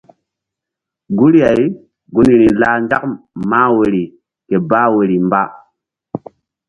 Guri-ay gunri lah nzak mah woyri ke bah woyri mba.